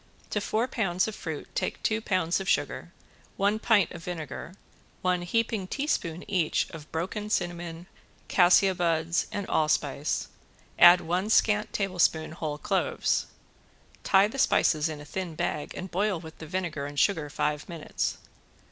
To four pounds of fruit take two pounds of sugar, one pint of vinegar, one heaping teaspoon each of broken cinnamon, cassia buds and allspice, add one scant tablespoon whole cloves. Tie the spices in a thin bag and boil with the vinegar and sugar five minutes.